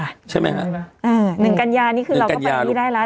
ใช่ไหมครับใช่ไหมครับหนึ่งกันยานี่คือเราก็แบบนี้ได้แล้ว